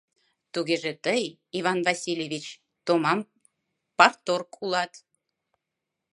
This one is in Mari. Тугеже тый, Иван Васильевич, томам парторг улат.